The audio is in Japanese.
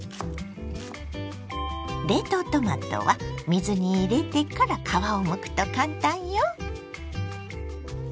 冷凍トマトは水に入れてから皮をむくと簡単よ。